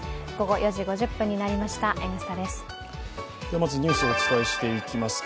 まずニュースをお伝えしていきます。